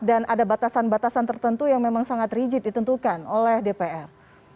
dan ada batasan batasan tertentu yang memang sangat rigid ditentukan oleh dpr